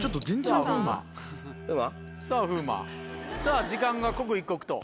さぁ時間が刻一刻と。